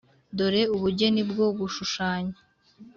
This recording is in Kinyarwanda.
– dore ubugeni bwo gushushanya: